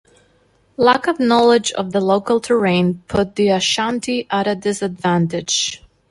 Lack of knowledge of the local terrain put the Ashanti at a disadvantage.